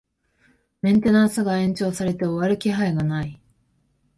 メンテナンスが延長されて終わる気配がない